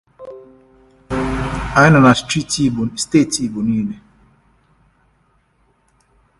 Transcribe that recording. Anyị nọ na steeti Igbo niile